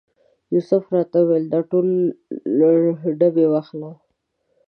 یوسف راته وویل دا ټول ډبې واخله.